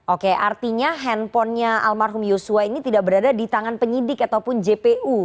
oke artinya handphonenya almarhum yosua ini tidak berada di tangan penyidik ataupun jpu